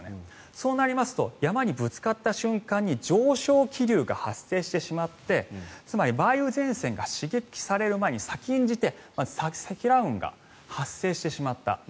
そうなりますと山にぶつかった瞬間に上昇気流が発生してしまってつまり梅雨前線が刺激される前に先んじて積乱雲が発生してしまった。